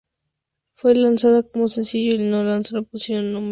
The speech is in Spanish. Fue lanzada como sencillo y alcanzó la posición No.